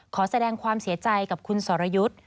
ขอแสดงความเสียใจกับคุณสรยุทธ์